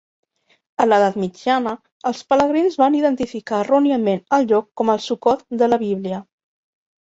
A l'edat mitjana, els pelegrins van identificar erròniament el lloc com el Sukkot de la Bíblia.